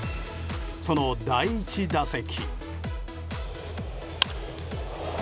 その第１打席。